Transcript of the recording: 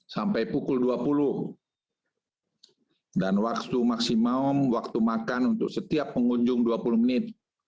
sampai pukul dua puluh dan waktu maksimum waktu makan untuk setiap pengunjung dua puluh menit